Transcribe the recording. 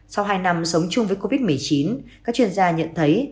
sau hai năm sống chung với covid một mươi chín các chuyên gia nhận thấy